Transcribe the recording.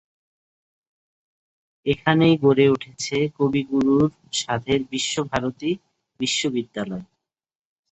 এখানেই গড়ে উঠেছে কবিগুরুর সাধের বিশ্বভারতী বিশ্ববিদ্যালয়।